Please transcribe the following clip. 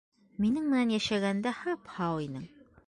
Минең менән йәшәгәндә һап-һау инең.